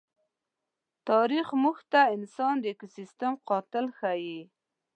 تاریخ موږ ته انسان د ایکوسېسټم قاتل ښيي.